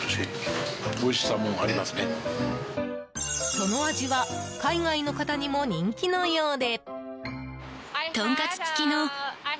その味は海外の方にも人気のようで。